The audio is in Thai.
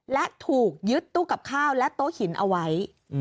และถูกยึดตู้กับข้าวและโต๊ะหินเอาไว้